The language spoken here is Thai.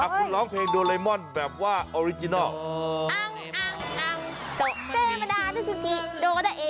คุณร้องเพลงโดเรมอนแบบว่าออริจินัล